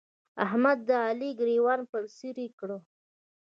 احمد د علي ګرېوان پر څيرې کړ.